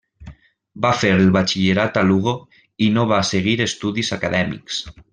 Va fer el batxillerat a Lugo, i no va seguir estudis acadèmics.